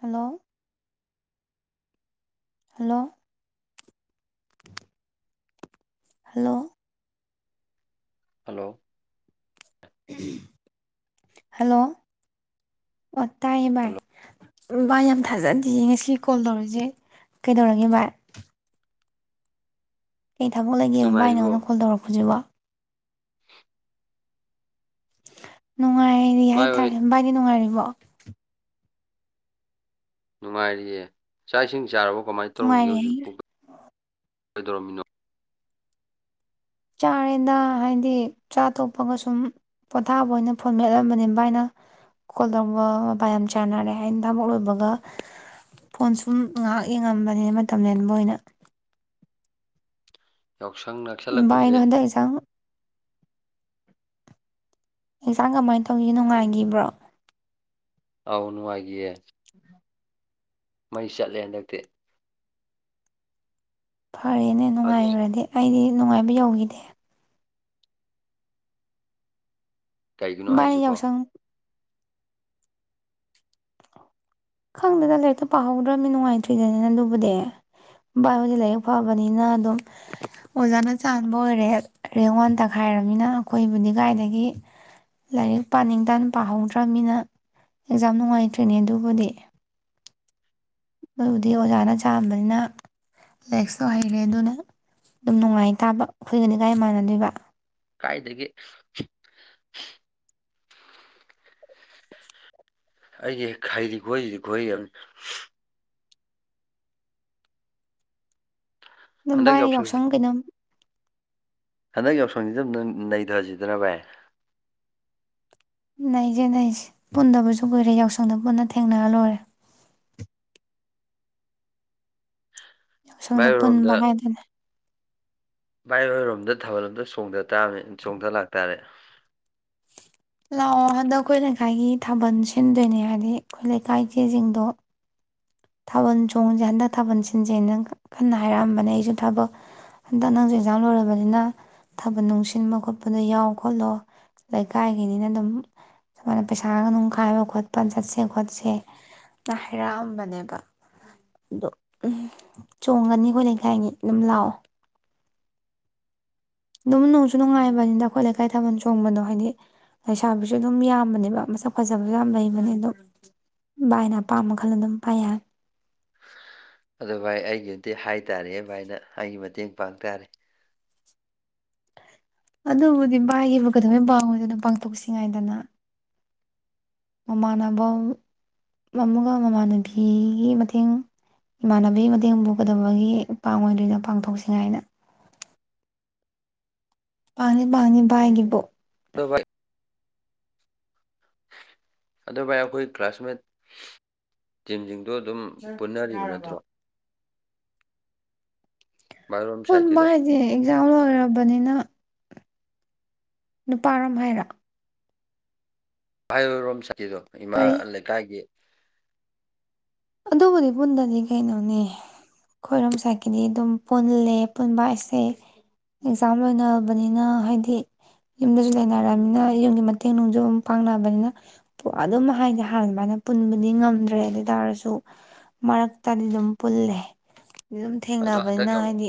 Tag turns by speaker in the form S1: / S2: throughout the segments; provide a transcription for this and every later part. S1: Hello. Hello. Hello.
S2: Hello.
S1: Hello. ꯑꯣ ꯇꯥꯏꯌꯦ bye.
S2: Hello
S1: ꯕꯥꯏ ꯌꯥꯝ ꯊꯥꯖꯗꯌꯦ ꯉꯁꯤ ꯀꯣꯜ ꯇꯧꯔꯤꯛꯏꯖꯦ ꯀꯩꯗꯧꯔꯒꯦ ꯕꯥꯏ꯫ ꯀꯩ ꯊꯥꯕꯛ ꯂꯩꯒꯦꯕ ꯕꯥꯢ ꯅꯪꯅ
S2: ꯅꯨꯡꯉꯥꯏꯔꯤꯕꯣ
S1: ꯅꯩꯉꯣꯟꯗ ꯀꯣꯜ ꯇꯧꯔꯛꯄꯖꯤꯕꯣ꯫
S2: [unintelligible]
S1: ꯅꯨꯡꯉꯥꯏꯔꯤ
S2: ꯚꯥꯏ ꯍꯣꯏ
S1: ꯍꯥꯏꯇꯥꯔꯦ ꯕꯥꯏꯗꯤ ꯅꯨꯡꯉꯥꯏꯔꯤꯕꯣ꯫ ꯑꯣ
S2: ꯅꯨꯡꯉꯥꯏꯔꯤꯌꯦ ꯆꯥꯛ ꯏꯁꯤꯡ ꯆꯥꯔꯕꯣ ꯀꯃꯥꯏ ꯇꯧꯔꯤꯒꯦ
S1: ꯅꯨꯡꯉꯥꯏꯔꯤ
S2: ꯍꯧꯖꯤꯛ
S1: ꯍꯥꯏ
S2: ꯄꯣ꯫ ꯀꯩꯗꯧꯔꯝꯃꯤꯅꯣ꯫
S1: ꯆꯥꯔꯦꯗ ꯍꯥꯏꯗꯤ ꯆꯥ ꯇꯣꯛꯄꯒ ꯁꯨꯝ ꯄꯣꯊꯥꯕ ꯑꯣꯏꯅ ꯐꯣꯟ ꯃꯦꯠꯂꯝꯕꯅꯤ ꯕꯥꯏꯅ ꯀꯣꯜ ꯇꯧꯕ ꯃꯄꯥ ꯌꯥꯝ ꯆꯥꯟꯅꯔꯦ ꯍꯥꯏꯅ ꯊꯕꯛ ꯂꯣꯏꯕꯒ ꯐꯣꯟ ꯁꯨꯝ ꯉꯥꯏꯍꯥꯛ ꯌꯦꯡꯉꯝꯕꯅꯦ ꯃꯇꯝ ꯂꯦꯟꯕ ꯑꯣꯏꯅ꯫
S2: ꯌꯥꯎꯁꯪ ꯅꯛꯁꯜꯂꯛꯄꯁꯦ
S1: ꯕꯥꯏꯗꯣ ꯍꯟꯗꯛ ꯑꯦꯛꯖꯥꯝ ꯑꯦꯛꯖꯥꯝ ꯀꯃꯥꯏ ꯇꯧꯒꯤꯒꯦ ꯅꯨꯡꯉꯥꯏꯒꯤꯕ꯭ꯔꯣ꯫
S2: ꯑꯥꯎ ꯅꯨꯡꯉꯥꯏꯒꯤꯌꯦ꯫ [unintelligible] ꯃꯩ ꯆꯠꯂꯦ ꯍꯟꯗꯛꯇꯤ꯫
S1: ꯐꯔꯦꯅꯦ
S2: ꯑꯗꯣ
S1: ꯅꯨꯡꯉꯥꯏꯒ꯭ꯔꯗꯤ ꯑꯩꯗꯤ ꯅꯨꯡꯉꯥꯏꯕ ꯌꯧꯈꯤꯗꯦ
S2: ꯀꯔꯤꯒꯤꯅꯣ
S1: ꯚꯥꯏꯅ
S2: ꯍꯥꯏꯁꯤꯕꯣ
S1: ꯌꯥꯎꯁꯪ ꯈꯪꯗꯦꯗ ꯂꯥꯏꯔꯤꯛꯇꯣ ꯄꯥꯍꯧꯗ꯭ꯔꯕꯅꯤ ꯅꯨꯡꯉꯥꯏꯇ꯭ꯔꯤꯗꯅꯤꯅ ꯑꯗꯨꯕꯨꯗꯤ ꯚꯥꯏꯕꯨꯗꯤ ꯂꯥꯏꯔꯤꯛ ꯐꯕꯅꯤꯅ ꯑꯗꯨꯝ ꯑꯣꯖꯥꯅ ꯆꯥꯟꯕ ꯑꯣꯏꯔꯦ ꯔꯦꯡ ꯋꯥꯟ ꯇꯈꯥꯏꯔꯕꯅꯤꯅ ꯑꯩꯈꯣꯏꯕꯨꯗꯤ ꯀꯥꯏꯗꯒꯤ ꯂꯥꯏꯔꯤꯛ ꯄꯥꯅꯤꯡ ꯇꯥ ꯄꯥꯍꯧꯗ꯭ꯔꯕꯅꯤꯅ ꯑꯦꯛꯖꯥꯝ ꯅꯨꯡꯉꯥꯏꯇ꯭ꯔꯤꯅꯦ ꯑꯗꯨꯕꯨꯗꯤ ꯑꯗꯨꯕꯨꯗꯤ ꯑꯣꯖꯥꯅ ꯆꯥꯟ ꯕꯅꯤꯅ ꯂꯦꯛꯁꯇ ꯍꯩꯔꯦ ꯑꯗꯨꯅ ꯑꯗꯨꯝ ꯅꯨꯡꯉꯥꯏ ꯇꯥꯕ ꯑꯩꯈꯏꯒꯅꯤꯒꯥꯏ ꯃꯥꯟꯅꯗꯣꯏꯕ
S2: ꯀꯥꯏꯗꯒꯤ ꯑꯩꯁ ꯍꯦꯛ ꯍꯩꯔꯤ ꯈꯨꯍꯩ ꯁꯤꯗꯤ ꯈꯨꯍꯩ ꯑꯃꯅꯤ [unintelligible]
S1: ꯑꯗꯨ
S2: ꯍꯟꯗꯛ
S1: ꯕꯥꯥꯏ
S2: ꯌꯥꯎꯁꯪꯁꯤ
S1: ꯌꯥꯎꯁꯪ ꯀꯩꯅꯣꯝ
S2: ꯍꯟꯗꯛ ꯌꯥꯎꯁꯪꯁꯤꯗꯅꯥꯪ ꯅꯩꯊꯁꯤꯗꯅ ꯚꯥꯏ
S1: ꯅꯩꯖꯦ ꯅꯩꯁ ꯄꯨꯟꯗꯕꯁꯨ ꯀꯨꯏꯔꯦ ꯌꯥꯎꯁꯪꯗ ꯄꯨꯟꯅ ꯊꯦꯡꯅꯔ ꯂꯣꯏꯔꯦ
S2: ꯚꯥꯏ
S1: ꯌꯥꯎꯁꯪꯗ ꯄꯨꯟꯕ ꯍꯥꯏꯗꯅ
S2: ꯚꯥꯏꯔꯣꯏꯔꯣꯝꯗ ꯊꯥꯕꯜ ꯑꯝꯗ ꯆꯣꯡꯊ ꯇꯥꯕꯅꯤ ꯆꯣꯡꯗ ꯂꯥꯛꯇꯥꯔꯦ
S1: ꯂꯥꯛꯑꯣ ꯍꯟꯗꯛ ꯑꯩꯈꯣꯏ ꯂꯩꯀꯥꯏꯒꯤ ꯊꯥꯕꯜ ꯁꯤꯟꯗꯣꯏꯅꯦ ꯍꯥꯏꯗꯤ ꯑꯩꯈꯣꯏ ꯂꯩꯀꯥꯏꯒꯤꯖꯤꯡꯗꯣ ꯊꯥꯕꯜ ꯆꯣꯡꯖꯦ ꯍꯟꯗꯛ ꯊꯥꯕꯜ ꯁꯤꯟꯁꯦꯅ ꯀꯟꯅ ꯍꯥꯏꯔꯛꯑꯝꯕꯅꯦ ꯑꯩꯁꯨ ꯊꯕꯛ ꯍꯟꯗꯛ ꯅꯪꯖꯨ ꯑꯦꯛꯖꯥꯝ ꯂꯣꯏꯔꯕꯅꯤꯅ ꯊꯥꯕꯜ ꯅꯨꯡ ꯁꯤꯟꯕ ꯈꯣꯠꯄꯗ ꯌꯥꯎ ꯈꯣꯠꯂꯣ ꯂꯩꯀꯥꯏꯒꯤꯅꯤꯅ ꯑꯗꯨꯝ ꯁꯨꯃꯥꯏꯅ ꯄꯩꯁꯥ ꯅꯨꯡꯈꯥꯏꯕ ꯈꯣꯠꯄ ꯆꯠꯁꯦ ꯈꯣꯠꯁꯦ ꯅ ꯍꯥꯏꯔꯛꯑꯝꯕꯅꯦ ꯑꯗꯣ ꯎꯝ ꯆꯣꯡꯒꯅꯤ ꯑꯩꯈꯣꯏ ꯂꯩꯈꯥꯏꯒꯤ ꯑꯗꯨꯝ ꯂꯥꯑꯣ ꯑꯗꯨꯝ ꯅꯨꯡꯁꯨ ꯅꯨꯡꯉꯥꯏꯕꯅꯤꯗ ꯑꯩꯈꯣꯏ ꯂꯩꯀꯥꯏ ꯊꯥꯕꯜ ꯆꯣꯡꯕꯗꯣ ꯍꯥꯏꯗꯤ ꯂꯩꯁꯥꯕꯤꯁꯨ ꯑꯗꯨꯝ ꯌꯥꯝꯕꯅꯦꯕ ꯃꯁꯛ ꯐꯖꯕꯁꯨ ꯌꯥꯝ ꯂꯩꯕꯅꯦ ꯑꯗꯨꯝ ꯕꯥꯥꯏꯅ ꯑꯄꯥꯝꯕ ꯈꯜꯂ ꯑꯗꯨꯝ ꯄꯥꯏꯌꯥ
S2: ꯑꯗꯨ ꯚꯥꯏ ꯑꯩꯒꯤꯗꯤ ꯍꯥꯏꯇꯥꯥꯔꯦ ꯚꯥꯏꯅ ꯑꯩꯒꯤ ꯃꯇꯦꯡ ꯄꯥꯡ ꯇꯔꯦ
S1: ꯑꯗꯨꯕꯨꯗꯤ ꯚꯥꯏꯒꯤꯕꯨ ꯀꯩꯗꯝꯕꯩ ꯄꯥꯡ ꯑꯣꯏꯏꯗꯣꯏꯅꯣ ꯄꯥꯡꯊꯣꯛꯁꯤꯉꯥꯏꯗꯅ ꯃꯃꯥꯟꯅꯕ ꯑꯃꯒ ꯃꯃꯥꯟꯅꯕꯤꯒꯤ ꯃꯇꯦꯡ ꯏꯃꯥꯟꯕꯤꯒꯤ ꯃꯇꯦꯡꯕꯨ ꯀꯩꯗꯝꯕꯒꯤ ꯄꯥꯡ ꯑꯣꯏꯏꯗꯣꯏꯅꯣ ꯄꯥꯡꯊꯣꯛꯁꯤꯉꯥꯏꯅ ꯃꯥꯅꯤ ꯃꯥꯅꯤ ꯚꯥꯏꯒꯤꯕꯣ
S2: ꯑꯗꯣ ꯚꯥꯏ ꯑꯗꯣ ꯚꯥꯏ ꯑꯩꯈꯣꯏ ꯀ꯭ꯂꯥꯁꯃꯦꯠ ꯇꯤꯝꯁꯤꯡ ꯑꯗꯨ ꯑꯗꯨꯝ ꯄꯨꯟꯅꯔꯤꯕ ꯅꯠꯇ꯭ꯔꯣ ꯃꯥꯏꯔꯣꯝ
S1: ꯁꯣꯟꯕ
S2: ꯁꯥꯏꯠꯀꯤꯗꯣ
S1: ꯍꯥꯏꯗꯤ ꯑꯦꯛꯖꯥꯝ ꯂꯣꯏꯔꯕꯅꯤꯅ ꯅꯨꯄꯥꯔꯣꯝ ꯍꯥꯏꯔ
S2: ꯍꯥꯏ ꯔꯣꯝꯁ ꯀꯗꯣ ꯏꯃꯥ
S1: ꯀꯔꯤ
S2: ꯂꯩꯀꯥꯏꯒꯤ
S1: ꯑꯗꯨꯕꯨꯗꯤ ꯄꯨꯟꯗꯗꯤ ꯀꯩꯅꯣꯅꯦ ꯈꯣꯏꯔꯣꯝ ꯁꯥꯏꯠꯀꯤꯗꯤ ꯑꯗꯨꯝ ꯄꯨꯜꯂꯦ ꯄꯨꯟꯕ ꯍꯥꯏꯁꯦ ꯑꯦꯛꯖꯥꯝ ꯂꯣꯏꯔꯕꯅꯤꯅ ꯍꯥꯏꯗꯤ ꯌꯨꯝꯗꯁꯨ ꯂꯩꯅꯔꯕꯅꯤꯅ ꯌꯨꯝꯒꯤ ꯃꯇꯦꯡ ꯅꯨꯡꯖꯨ ꯑꯗꯨꯝ ꯄꯥꯡꯅꯕꯅꯤꯅ ꯑꯗꯨꯝ ꯍꯥꯏꯗꯤ ꯍꯥꯟꯅ ꯑꯗꯨꯃꯥꯏꯅ ꯄꯨꯟꯕꯗꯤ ꯉꯝꯗ꯭ꯔꯦ ꯑꯗꯨꯏ ꯇꯥꯔꯁꯨ ꯗꯨ ꯃꯔꯛꯇꯗꯤ ꯑꯗꯨꯝ ꯄꯨꯜꯂꯦ ꯑꯗꯨꯝ
S2: ꯑꯗꯣ ꯍꯟꯗꯛ
S1: ꯊꯦꯡꯅꯕꯅꯤꯅ
S2: ꯌꯥꯎ
S1: ꯍꯥꯏꯗꯤ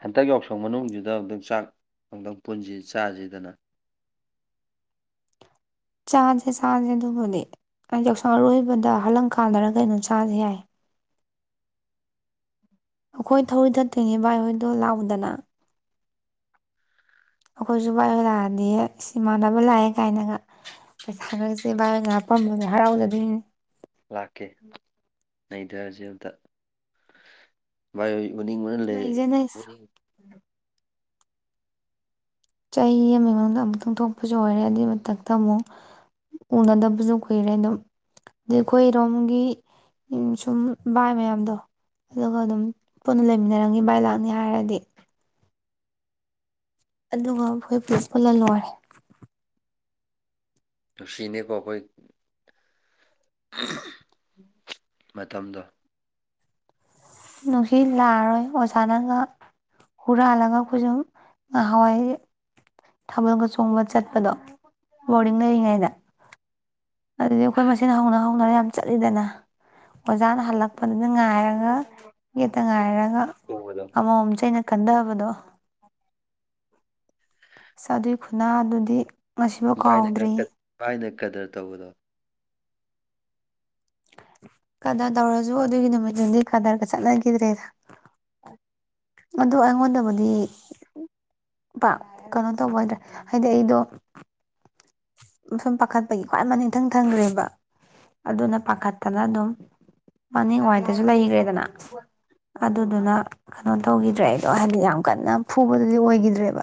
S2: ꯍꯟꯗꯛ ꯌꯥꯎꯁꯪ ꯃꯅꯨꯡꯖꯤꯗ ꯑꯃꯨꯛꯇꯪ ꯆꯥꯛ ꯑꯝꯗꯪ ꯄꯨꯟꯁꯖꯤ ꯆꯥꯁꯤꯗꯅ
S1: ꯆꯥꯖꯦ ꯆꯥꯖꯦ ꯑꯗꯨꯕꯨꯗꯤ ꯑ ꯌꯥꯎꯁꯪ ꯑꯔꯣꯏꯕꯗ ꯍꯜꯂꯪ ꯀꯥꯟꯅꯔꯒꯩꯅꯣ ꯆꯥꯁꯦ ꯌꯥꯏ ꯑꯩꯈꯣꯏ ꯊꯧꯔꯤ ꯊꯠꯇꯣꯏꯅꯦ ꯚꯥꯏꯍꯣꯏꯗꯣ ꯂꯥꯛꯎꯗꯅ ꯑꯩꯈꯣꯏꯁꯨ ꯕꯥꯏꯍꯣꯏꯂꯥꯛꯑꯗꯤ ꯏꯁ ꯏꯃꯥꯟꯅꯕ ꯂꯥꯛꯑꯦ ꯀꯥꯏꯅꯒ ꯄꯩꯁꯥꯒꯁꯦ ꯕꯥꯏꯅ ꯍꯥꯄꯝꯃꯦ ꯍꯔꯥꯎꯖꯗꯣꯏꯅꯤ
S2: ꯂꯥꯛꯀꯦ ꯅꯩꯗꯔꯖꯦ ꯑꯝꯇ ꯚꯥꯏꯍꯣꯏ ꯃꯅꯤꯡ ꯃ ꯂꯩ
S1: ꯅꯩꯁꯦ ꯅꯩꯁꯦ
S2: ꯃꯅꯤꯡ
S1: ꯆꯍꯤ ꯑꯃꯒꯤ ꯃꯅꯨꯡꯗ ꯑꯃꯨꯛꯇꯪ ꯊꯣꯛꯄꯁꯨ ꯑꯣꯏꯔꯦ ꯑꯗꯨꯏ ꯃꯊꯛꯇ ꯑꯃꯨꯛ ꯎꯅꯗꯕꯁꯨ ꯀꯨꯏꯔꯦ ꯑꯗꯨꯝ ꯑꯩ ꯑꯩꯈꯣꯏꯔꯣꯝꯒꯤ ꯁꯨꯝ ꯚꯥꯏ ꯃꯌꯥꯝꯗꯣ ꯑꯗꯨꯒ ꯑꯗꯨꯝ ꯄꯨꯟꯅ ꯂꯩꯃꯤꯟꯅꯔꯝꯒꯦ ꯚꯥꯏ ꯂꯥꯛꯅꯤ ꯍꯥꯏꯔꯗꯤ ꯑꯗꯨꯒ ꯑꯩꯈꯣꯏ ꯄꯨꯁ ꯄꯨꯜꯂ ꯂꯣꯏꯔꯦ
S2: ꯅꯨꯡꯁꯤꯅꯤꯀꯣ ꯑꯩꯈꯣꯏ ꯎꯝ ꯃꯇꯝꯗꯣ
S1: ꯅꯨꯡꯁꯤ ꯂꯥꯛꯑꯔꯣꯏ ꯑꯣꯖꯥꯅ ꯉꯥ ꯍꯨꯔꯥꯜꯂꯒ ꯑꯩꯈꯣꯏꯁꯨꯨꯝ ꯉꯍꯍꯥꯟꯋꯥꯏ ꯊꯥꯕꯜꯒ ꯆꯣꯡꯕ ꯆꯠꯄꯗꯣ ꯕꯣꯔꯗꯤꯡ ꯂꯩꯔꯤꯉꯩꯗ ꯑꯗꯨꯗꯤ ꯑꯩꯈꯣꯏ ꯃꯁꯤꯅ ꯍꯧꯅ ꯍꯧꯅꯔ ꯌꯥꯝ ꯆꯠꯂꯤꯗꯅ ꯑꯣꯖꯥꯅ ꯍꯜꯂꯛꯄꯗꯨꯅ ꯉꯥꯏꯔꯒ ꯌꯦꯠꯇ ꯉꯥꯏꯔ ꯑ
S2: ꯎꯕꯗꯣ
S1: ꯑꯃꯃꯝ ꯆꯩꯅ ꯀꯟꯗ ꯕꯗꯣ ꯆꯗꯨꯏ ꯈꯨꯅꯥ ꯗꯨꯗꯤ
S2: ꯚꯥꯏꯅ ꯈꯔ ꯀꯠ ꯚꯥꯏꯅ ꯀꯗꯔ ꯇꯧꯕꯗꯣ
S1: ꯀꯗꯔ ꯇꯧꯔꯁꯨ ꯑꯗꯨꯒꯤ ꯅꯨꯃꯤꯠꯇꯨꯗꯤ ꯀꯗꯔꯒ ꯆꯠꯅꯒꯤꯗ꯭ꯔꯦꯗ ꯑꯗꯨ ꯑꯩꯉꯣꯟꯗꯕꯨꯗꯤ ꯄꯥꯛ ꯀꯩꯅꯣ ꯇꯧꯕ ꯑꯣꯏꯗ꯭ꯔꯦ ꯍꯥꯏꯗꯤ ꯑꯩꯗꯣ ꯁꯨꯝ ꯄꯥꯈꯠꯄꯒꯤ ꯈ꯭ꯋꯥꯏ ꯃꯅꯤꯡ ꯏꯊꯪ ꯊꯪꯈ꯭ꯔꯦꯕ ꯑꯗꯨꯅ ꯄꯥꯈꯠꯇꯅ ꯑꯗꯨꯝ ꯃꯅꯤꯡꯋꯥꯏꯗꯁꯨ ꯂꯩꯒꯔꯦꯗꯅ ꯑꯗꯨꯗꯨꯅ ꯀꯩꯅꯣ ꯇꯧꯒꯤꯗ꯭ꯔꯦ ꯑꯩꯗꯣ ꯍꯥꯏꯗꯤ ꯌꯥꯝ ꯀꯟꯅ ꯐꯨꯕꯗꯨꯗꯤ ꯑꯣꯏꯒꯤꯗ꯭ꯔꯦꯕ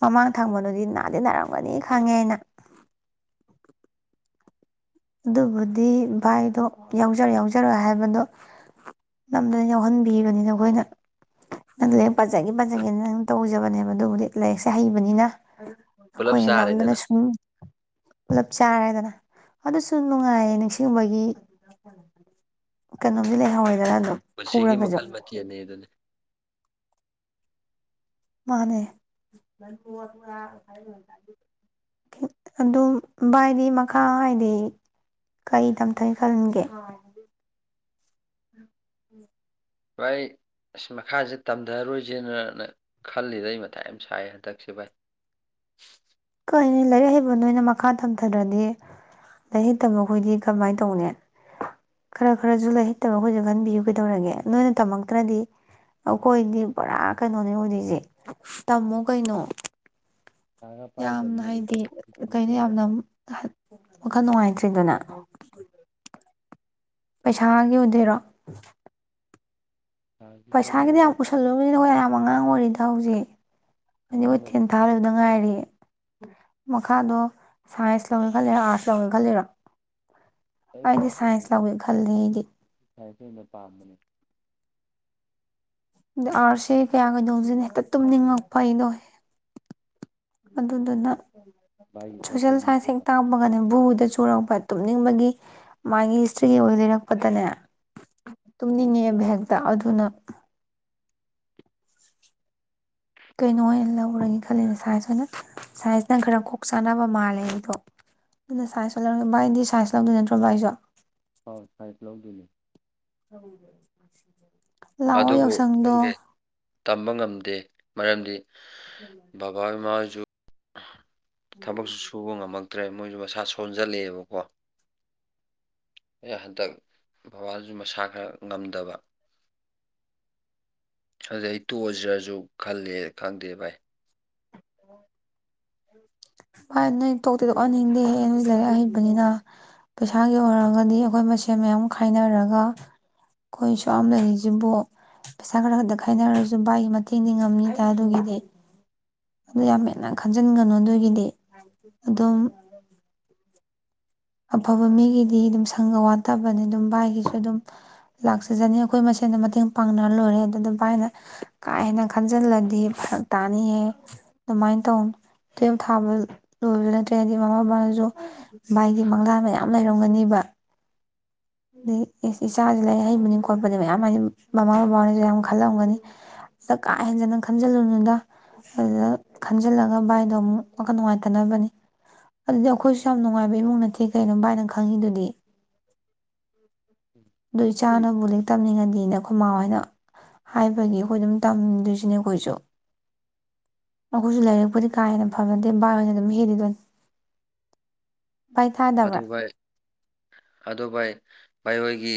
S1: ꯃꯃꯥꯡ ꯊꯪꯕꯅꯗꯤ ꯅꯥꯗꯤ ꯅꯥꯔꯝꯒꯅꯤ ꯈꯪꯉꯦ ꯑꯩꯅ ꯑꯗꯨꯕꯨꯗꯤ ꯚꯥꯏꯗꯣ ꯌꯥꯎꯖꯔ ꯌꯥꯎꯖꯔꯣꯏ ꯍꯥꯏꯕꯗꯣ ꯅꯝꯗꯨꯅ ꯌꯥꯎꯍꯟꯕꯤꯕꯅꯤꯗ ꯑꯩꯈꯣꯏꯅ ꯅꯪ ꯂꯥꯏꯔꯤꯛ ꯄꯖꯒꯦ
S2: ꯑꯗꯨꯝ
S1: ꯄꯖꯒꯦꯅ ꯅꯪ ꯇꯧꯖꯕꯅꯦꯕ ꯑꯗꯨꯕꯨꯗꯤ ꯂꯥꯏꯔꯤꯛꯁꯦ ꯍꯩꯕꯅꯤꯅ
S2: ꯄꯨꯂꯞ
S1: ꯑꯩꯈꯣꯏꯅ ꯅꯝꯗꯨꯅ
S2: ꯆꯥꯔꯦꯗꯅ
S1: ꯁꯨꯝ ꯆꯥꯔꯦꯗꯅ꯫ ꯑꯗꯨꯁꯨ ꯅꯨꯡꯉꯥꯏꯌꯦ ꯅꯤꯡꯁꯤꯡꯕꯒꯤ ꯀꯅꯣꯝꯗꯤ ꯂꯩꯍꯧꯔꯦꯗꯅ ꯫
S2: ꯄꯨꯟꯁꯤꯒꯤ ꯃꯈꯜ ꯃꯊꯦꯟꯅꯦ ꯗꯨꯅꯦ꯫
S1: ꯃꯥꯅꯦ ꯑꯗꯨ ꯚꯥꯏꯗꯤ ꯃꯈꯥ ꯍꯥꯏꯗꯤ ꯀꯩ ꯇꯝꯊꯩ ꯈꯟꯒꯦ꯫
S2: ꯑꯩ ꯑꯁ ꯃꯈꯥꯖꯦ ꯇꯝꯘꯔꯣꯏꯖꯦꯅꯅ ꯈꯜꯂꯤꯗ ꯑꯩ ꯃꯊꯥꯏ ꯌꯥꯝ ꯁꯥꯏꯌꯦ ꯍꯟꯗꯛꯁꯦ ꯚꯥꯏ꯫
S1: ꯂꯥꯏꯔꯤꯛ ꯍꯩꯕ ꯅꯣꯏꯅ ꯃꯈꯥ ꯊꯝꯊꯗ꯭ꯔꯗꯤ ꯂꯥꯏꯔꯤꯛ ꯍꯩꯇꯕꯈꯣꯏꯗꯤ ꯀꯃꯥꯏꯅ ꯇꯧꯅꯤ ꯈꯔ ꯈꯔꯖꯨ ꯂꯩꯥꯏ ꯍꯩꯇꯕ ꯑꯩꯈꯣꯏꯖꯨ ꯈꯟꯕꯤꯌꯨ ꯀꯩꯗꯧꯔꯒꯦ ꯅꯣꯏꯅ ꯇꯝꯃꯛꯇ꯭ꯔꯗꯤ ꯑꯈꯣꯏꯗꯤ ꯄꯨꯔꯥ ꯀꯩꯅꯣꯅꯦ ꯑꯣꯏꯗꯣꯏꯖꯦ꯫ ꯇꯝꯃꯣ ꯀꯩꯅꯣ꯫
S2: ꯄꯩꯁꯥꯒ
S1: ꯌꯥꯝꯅ
S2: ꯄꯥꯏꯗꯕꯅꯤ
S1: ꯍꯥꯏꯗꯤ
S2: ꯏꯃꯥꯅ
S1: ꯀꯩꯅꯣ
S2: ꯃꯇꯦꯡ ꯈꯔ
S1: ꯌꯥꯝꯅ
S2: ꯄꯥꯡ
S1: ꯋꯥꯈꯜ ꯅꯨꯡꯉꯥꯏꯇ꯭ꯔꯤꯗꯨꯅ꯫ [unintelligible] ꯄꯩꯁꯥꯒꯤ ꯑꯣꯏꯗꯣꯏꯔꯣ꯫
S2: ꯁꯥꯏꯟꯁꯀꯤꯁꯨ
S1: ꯄꯩꯁꯥꯒꯤꯗꯤ
S2: ꯑꯣꯏꯔꯦ
S1: ꯌꯥꯝ
S2: ꯑꯗꯩ
S1: ꯎꯁꯜꯂꯨꯒꯤꯅꯣꯍꯦ ꯌꯥꯝ ꯑꯉꯥꯡ ꯑꯣꯏꯔꯤꯗ ꯍꯧꯖꯤꯛ꯫ ꯍꯥꯏꯗꯤ
S2: ꯃꯃꯥ
S1: ꯈꯣꯏ ꯇꯦꯟ ꯊꯥ
S2: ꯕꯕꯥꯁꯨ
S1: ꯂꯩꯕꯗ ꯉꯥꯏꯔꯤ꯫ ꯃꯈꯥꯗꯣ ꯁꯥꯏꯟꯁ ꯂꯧꯒꯦ ꯈꯜꯂꯤꯔꯥ ꯑꯥꯔꯠꯁ ꯂꯧꯒꯦ ꯈꯜꯂꯤꯔꯥ꯫
S2: [unintelligible] ꯁꯥꯏꯟꯁ
S1: ꯑꯩꯗꯤ
S2: ꯑꯣꯏꯅ ꯄꯥꯝꯕꯅꯦ
S1: ꯑꯥꯔꯠꯁꯦ ꯀꯌꯥ ꯀꯩꯗꯧꯗꯦꯅ ꯍꯦꯛꯇ ꯇꯨꯝꯅꯤꯡꯉꯛꯄ ꯑꯩꯗꯣ꯫ ꯑꯗꯨꯗꯨꯅ꯫
S2: ꯚꯥꯏꯒꯤ ꯈꯔ
S1: ꯁꯣꯁꯦꯜ ꯁꯥꯏꯟꯁ ꯍꯦꯛ
S2: ꯆꯩꯕꯤꯔꯒ
S1: ꯇꯥꯕꯒꯅꯦ ꯕꯨ ꯆꯨꯔꯛꯄ ꯇꯨꯝꯅꯤꯡꯕꯒꯤ ꯃꯥꯒꯤ ꯍꯤꯁꯇ꯭ꯔꯤꯒꯤ [unintelligible] ꯂꯤꯔꯛꯄꯗꯅꯦ ꯇꯨꯝꯅꯤꯡꯉꯦꯕ ꯍꯦꯛꯇ ꯑꯗꯨꯅ꯫ ꯀꯩꯅꯣ ꯑꯣꯏꯅ ꯂꯧꯔꯒꯦ ꯈꯜꯂꯦꯗ ꯁꯥꯏꯖ ꯑꯣꯏꯅ ꯁꯥꯏꯖꯅ ꯈꯔ ꯀꯣꯛ ꯆꯥꯅꯕ ꯃꯥꯜꯂꯦ ꯑꯩꯗꯣ ꯑꯗꯨꯅ ꯁꯥꯏꯖ ꯑꯣꯏꯅ ꯂꯧꯔꯒꯦ ꯕꯥꯏꯗꯤ ꯁꯥꯏꯖ ꯂꯧꯗꯣꯏ ꯅꯠꯇ꯭ꯔꯣ ꯕꯥꯏꯁꯨ꯫
S2: ꯁꯥꯏꯟꯁ ꯂꯧꯗꯣꯏꯅꯦ꯫
S1: [unintelligible] ꯂꯥꯛꯑꯣ
S2: ꯑꯗꯨꯕꯨ
S1: ꯌꯥꯎꯁꯪꯗꯣ꯫
S2: ꯈꯪꯗꯦ ꯇꯝꯕ ꯉꯝꯗꯦ ꯃꯔꯝꯗꯤ꯫ ꯕꯕꯥ ꯏꯃꯥ [inaudible] ꯊꯕꯛꯁꯨ ꯁꯨꯕ ꯉꯝꯃꯛ ꯇ꯭ꯔꯦ ꯃꯣꯏꯁꯨ ꯃꯁꯥ ꯁꯣꯟꯖꯜꯂꯦꯕꯀꯣ [unintelligible] ꯍꯟꯗꯛ ꯕꯕꯥꯁꯨ ꯃꯁꯥ ꯈꯔ ꯉꯝꯗꯕ꯫ ꯑꯗꯨꯗꯩ ꯇꯣꯛꯑꯖꯦꯔꯁꯨ ꯈꯜꯂꯦ ꯈꯪꯗꯦ ꯚꯥꯏ꯫
S1: ꯚꯥꯏ ꯅꯣꯏ ꯇꯣꯛꯇꯤꯗꯣꯛꯍꯟꯅꯤꯡꯗꯦꯍꯦ ꯅꯣꯏ ꯂꯥꯏꯔꯤꯛ ꯍꯩꯕꯅꯤꯅ ꯄꯩꯁꯥꯒꯤ ꯑꯣꯏꯔꯒꯗꯤ ꯑꯩꯈꯣꯏ ꯃꯁꯦꯟ ꯃꯌꯥꯝ ꯈꯥꯏꯅꯔꯒ ꯑꯈꯣꯏ ꯁꯨꯌꯥꯝ ꯂꯩꯔꯤꯁꯤꯕꯨ ꯄꯩꯁꯥ ꯈꯔ ꯈꯛꯇ ꯈꯥꯏꯅꯔꯁꯨ ꯚꯥꯏꯒꯤ ꯃꯇꯦꯡꯗꯤ ꯉꯝꯅꯤꯗ ꯑꯗꯨꯒꯤꯗꯤ꯫ ꯑꯗꯨ ꯌꯥꯝ ꯍꯦꯟꯅ ꯈꯟꯖꯤꯟꯒꯅꯨ ꯑꯗꯨꯒꯤꯗꯤ ꯑꯗꯨꯝ꯫ ꯑꯐꯕ ꯃꯤꯒꯤꯗꯤ ꯑꯗꯨꯝ ꯁꯪꯒ ꯋꯥꯠꯇꯕꯅꯦ ꯑꯗꯨꯝ ꯚꯥꯏꯒꯤꯁꯨ ꯑꯗꯨꯝ ꯂꯥꯛꯆꯖꯅꯤ ꯑꯩꯈꯣꯏ ꯃꯁꯦꯟ ꯃꯇꯦꯡ ꯄꯥꯡꯅꯔ ꯂꯣꯏꯔꯦ ꯑꯗꯨꯗ ꯚꯥꯏꯅ ꯀꯥ ꯍꯦꯟꯅ ꯈꯟꯖꯤꯜꯂꯗꯤ ꯐꯔꯛ ꯇꯥꯅꯤꯌꯦ ꯑꯗꯨꯃꯥꯏꯅ ꯇꯧꯅꯨ ꯇꯨꯌꯦꯞ ꯊꯥꯕ ꯂꯣꯏꯕꯁꯨ ꯅꯠꯇ꯭ꯔꯦ ꯍꯥꯏꯗꯤ ꯃꯃꯥ ꯕꯄꯥꯅꯁꯨ ꯚꯥꯏ ꯃꯪꯂꯥꯟ ꯃꯌꯥꯝ ꯂꯩꯔꯝꯒꯅꯤꯕ꯫ ꯗꯤ ꯑꯦ ꯏꯆꯥꯖꯦ ꯂꯥꯏꯔꯤꯛ ꯍꯩꯕꯅꯦ ꯈꯣꯠꯄꯅꯦ ꯃꯌꯥꯝ ꯍꯥꯏꯗꯤ ꯃꯃꯥꯍꯣꯏ ꯕꯕꯥꯍꯣꯏꯅꯁꯨ ꯌꯥꯝ ꯈꯜꯂꯝꯒꯅꯤ ꯁꯤꯗ ꯀꯥ ꯍꯦꯟꯖꯟꯅ ꯈꯟꯖꯤꯜꯂꯨꯅꯗ ꯑꯗꯨꯗ ꯈꯟꯖꯤꯜꯂꯒ ꯚꯥꯏꯗꯣ ꯑꯃꯨꯛ ꯋꯥꯈꯟ ꯅꯨꯡꯉꯥꯏꯇꯅꯕꯅꯤ ꯑꯗꯨꯗꯤ ꯑꯩꯈꯣꯏꯁꯨ ꯌꯥꯝ ꯅꯨꯡꯉꯥꯏꯕ ꯏꯃꯨꯡ ꯅꯠꯇꯦ ꯀꯩꯅꯣ ꯚꯥꯏꯅꯪ ꯈꯪꯉꯤꯗꯨꯗꯤ꯫ ꯑꯗꯨ ꯆꯥꯅꯕꯨ ꯂꯥꯏꯛ ꯇꯝꯅꯤꯡꯉꯗꯤꯅ꯫ ꯈꯣꯃꯥ ꯍꯣꯏꯅ ꯍꯥꯏꯕꯒꯤ ꯑꯈꯣꯏ ꯑꯗꯨꯝ ꯇꯝꯗꯣꯏꯁꯤꯅꯦ ꯑꯈꯣꯏꯁꯨ꯫ ꯑꯈꯣꯏꯁꯨ ꯂꯩꯥꯏꯔꯛꯄꯨꯗꯤ ꯀꯥ ꯍꯦꯟꯅ ꯐꯕ ꯅꯠꯇꯦ ꯕꯥꯏ ꯑꯣꯏꯅ ꯑꯗꯨꯝ ꯍꯦꯜꯂꯤꯗꯨꯅꯤ꯫ ꯚꯥꯏ
S2: ꯑꯗꯨ
S1: ꯇꯥꯗꯕ꯭ꯔꯥ
S2: ꯚꯥꯏ ꯑꯗꯨ ꯚꯥꯏ ꯚꯥꯏ ꯍꯣꯏꯒꯤ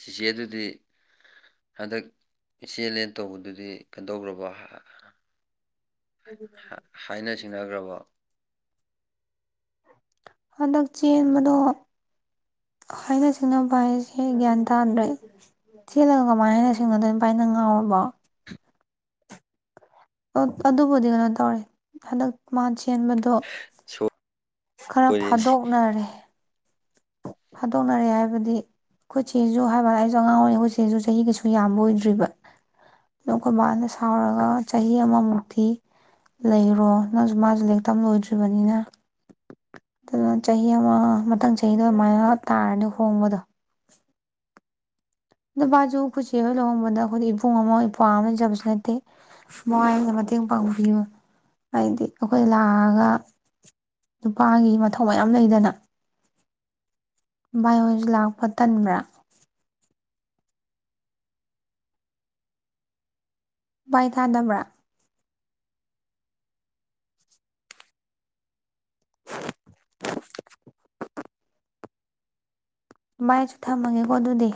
S2: ꯆꯤꯆꯦ ꯗꯨꯗꯤ ꯍꯟꯗꯛ ꯆꯦꯜꯂꯦ ꯇꯧꯕꯗꯨꯗꯤ ꯀꯩꯅꯧꯗꯧꯈ꯭ꯔꯕꯣ ꯍꯥ ꯍ ꯍꯥꯏꯅ ꯁꯤꯡꯅꯈꯒ꯭ꯔꯕꯣ
S1: ꯍꯟꯗꯛ ꯆꯦꯟꯕꯗꯣ ꯍꯥꯏꯅ ꯁꯤꯡꯅꯕ ꯍꯥꯏꯁꯦ ꯒ꯭ꯌꯥꯟ ꯇꯥꯗ꯭ꯔꯦ ꯆꯦꯜꯂꯒ ꯀꯃꯥꯏ ꯍꯥꯏꯅ ꯁꯤꯡꯅꯗꯣꯏꯅꯣ ꯚꯥꯏ ꯅꯪ ꯉꯥꯎꯔꯕꯣ꯫ ꯑꯗꯨꯕꯨꯗꯤ ꯀꯩꯅꯣ ꯇꯧꯔꯦ ꯍꯟꯗꯛ ꯃꯥ ꯆꯦꯟꯕꯗꯣ ꯈꯔ
S2: ꯁꯣꯏꯔꯦꯅꯦ
S1: ꯐꯥꯗꯣꯛꯅꯔꯦ ꯐꯥꯗꯣꯛꯅꯔꯦ ꯍꯥꯏꯕꯗꯤ ꯑꯩꯈꯣꯏ ꯆꯦꯁꯨ ꯍꯥꯏꯕꯋꯥꯅꯤ [unintelligible] ꯑꯩꯁꯨ ꯑꯉꯥꯡ ꯑꯣꯏꯔꯤ ꯑꯩꯈꯣꯏ ꯆꯦꯁꯨ ꯆꯍꯤ ꯀꯩꯁꯨ ꯌꯥꯝꯕ ꯑꯣꯏꯗ꯭ꯔꯤꯕ ꯑꯗꯣ ꯑꯩꯈꯣꯏ ꯕꯥꯅ ꯁꯥꯎꯔꯒ ꯆꯍꯤ ꯑꯃꯃꯨꯛꯇꯤ ꯂꯩꯔꯣ ꯅꯪꯁꯨ ꯃꯥꯁꯨ ꯂꯥꯏꯔꯤꯛ ꯇꯝ ꯂꯣꯏꯗ꯭ꯔꯤꯕꯅꯤꯅ ꯑꯗꯨꯅ ꯆꯍꯤ ꯑꯃ ꯃꯊꯪ ꯆꯠ [unintelligible] ꯑꯗꯨꯃꯥꯏꯅ ꯇꯥꯔꯅꯤ ꯍꯣꯡꯕꯗꯣ ꯅꯨꯄꯥꯁꯨ ꯑꯩꯈꯣꯏ ꯆꯦ ꯍꯣꯏ ꯂꯧꯍꯣꯡꯕꯗ ꯑꯩꯈꯣꯏꯗꯤ ꯏꯕꯨꯡ ꯑꯃ ꯏꯄ꯭ꯋꯥ ꯑꯃ ꯂꯩꯖꯕꯁꯨ ꯅꯠꯇꯦ ꯚꯥꯏꯅ ꯃꯇꯦꯡ ꯄꯥꯡꯕꯤꯌꯨ ꯍꯥꯏꯗꯤ ꯑꯩꯈꯣꯏ ꯂꯥꯛꯑꯒ ꯅꯨꯄꯥꯒꯤ ꯃꯊꯧ ꯃꯌꯥꯝ ꯂꯩꯗꯅ ꯚꯥꯏ ꯍꯣꯏꯁꯨ ꯂꯥꯛꯄ ꯇꯟꯕ꯭ꯔꯥ ꯚꯥꯏ ꯊꯥꯗꯕ꯭ꯔꯥ [unintelligible] ꯚꯥꯏꯁꯨ ꯊꯝꯃꯒꯦꯀꯣ ꯑꯗꯨꯗꯤ